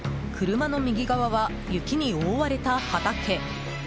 車の右側は、雪に覆われた畑。